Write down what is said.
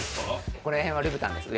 ここら辺はルブタンです上は。